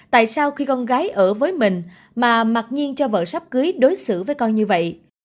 tại sao khi con gái ở với mình mà mặc nhiên cho vợ sắp cưới đối xử với con như vậy